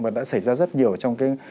mà đã xảy ra rất nhiều trong cái